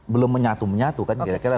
belum menyatu menyatu kan kira kira